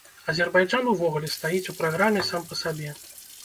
Азербайджан увогуле стаіць у праграме сам па сабе.